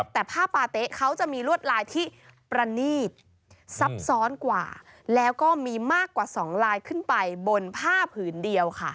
แต่ผ้าปาเต๊ะเขาจะมีลวดลายที่ประณีตซับซ้อนกว่าแล้วก็มีมากกว่า๒ลายขึ้นไปบนผ้าผืนเดียวค่ะ